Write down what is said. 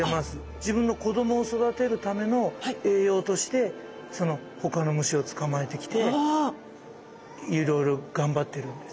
自分の子どもを育てるための栄養としてほかの虫を捕まえてきていろいろ頑張ってるんです。